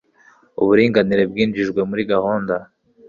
uburinganire bwinjijwe muri gahunda